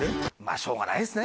しょうがないですね。